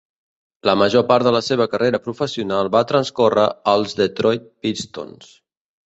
La major part de la seva carrera professional va transcórrer als Detroit Pistons.